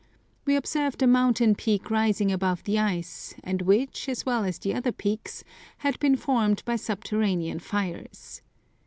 We observed a mountain peak rising above the ice, and which, as well as the other peaks, had been formed by subterranean fires.